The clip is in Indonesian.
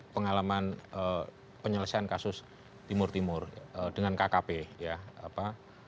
pengalaman penyelesaian kasus timur timur dengan kkp ya apa